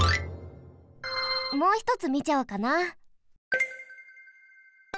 もうひとつみちゃおうかな。